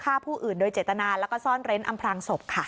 ฆ่าผู้อื่นโดยเจตนาแล้วก็ซ่อนเร้นอำพลางศพค่ะ